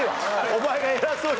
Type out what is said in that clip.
お前が偉そうに言うな。